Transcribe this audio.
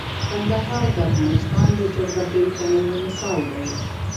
کندهار د افغانستان د جغرافیوي تنوع مثال دی.